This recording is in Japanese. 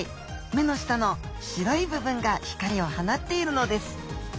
目の下の白い部分が光を放っているのです。